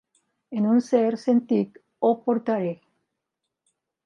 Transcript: En un cert sentit, ho portaré.